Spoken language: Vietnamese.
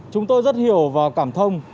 chúng tôi rất hiểu và cảm thông